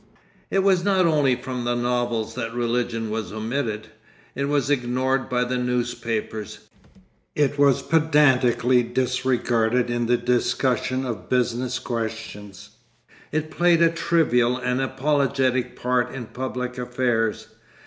It was not only from the novels that religion was omitted. It was ignored by the newspapers; it was pedantically disregarded in the discussion of business questions, it played a trivial and apologetic part in public affairs.